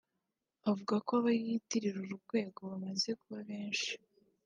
avuga ko aba biyitirira uru rwego bamaze kuba benshi